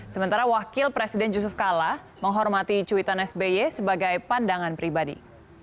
sementara wakil presiden yusuf kala menghormati cuitan sby sebagai pandangan pribadi